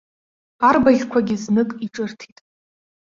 Арбаӷьқәагьы знык иҿырҭит.